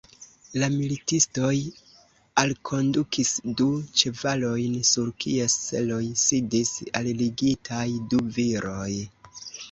La militistoj alkondukis du ĉevalojn, sur kies seloj sidis alligitaj du viroj.